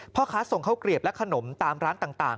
พ่อค้าส่งข้าวเกลียบและขนมตามร้านต่าง